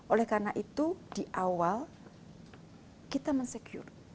oleh karena itu di awal kita mensecure